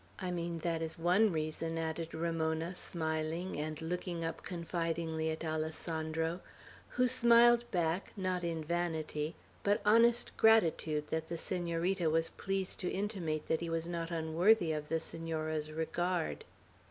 I mean, that is one reason," added Ramona, smiling, and looking up confidingly at Alessandro, who smiled back, not in vanity, but honest gratitude that the Senorita was pleased to intimate that he was not unworthy of the Senora's regard.